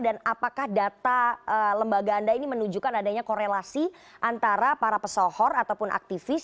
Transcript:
dan apakah data lembaga anda ini menunjukkan adanya korelasi antara para pesohor ataupun aktivis